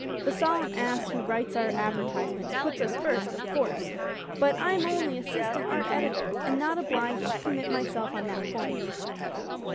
The Solemn Ass who writes our ad vertisements puts us first, of course, but I am only assistant art editor, and not obliged to commit myself on that point.